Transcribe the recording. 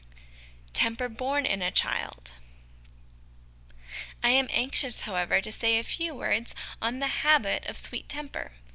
Temper Born in a Child. I am anxious, how ever, to say a few words on the habit of sweet temper.